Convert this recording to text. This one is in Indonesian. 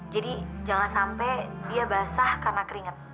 jadi jangan sampai dia basah karena keringet